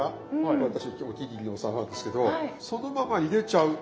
私のお気に入りのお皿なんですけどそのまま入れちゃう。